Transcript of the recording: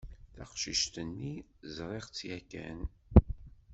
Taqcict-nni ẓriɣ-tt yakan.